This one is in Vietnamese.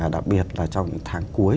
đặc biệt là trong tháng cuối